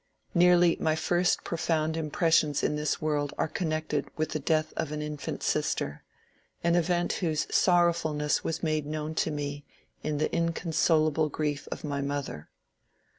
Nearly my first profound impressions in this world are connected with the death of an infant sister, — an event whose sorrowfulness was made known to me in the inconsolable grief of my mother.